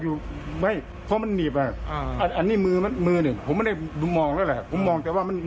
ยังจริงทุกมุมโดยทำงานให้ยอม